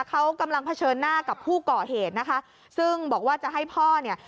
เขากำลังเผชิญหน้ากับผู้ก่อเหตุนะคะซึ่งบอกว่าจะให้พ่อเนี่ย